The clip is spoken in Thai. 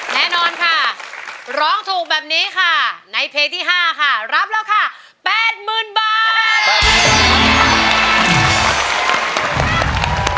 แน่นอนค่ะร้องถูกแบบนี้ค่ะในเพลงที่๕ค่ะรับแล้วค่ะ๘๐๐๐บาท